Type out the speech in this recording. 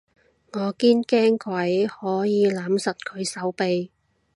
我堅驚鬼可以攬實佢手臂